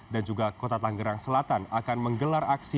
dan juga kota tanggerang selatan akan menggelar aksi